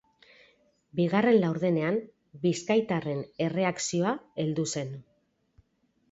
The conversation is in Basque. Bigarren laurdenean bizkaitarren erreakzioa heldu zen.